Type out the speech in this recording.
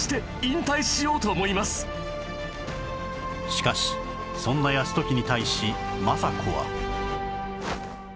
しかしそんな泰時に対し政子は